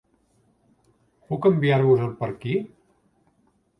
Puc enviar-vos-el per aquí?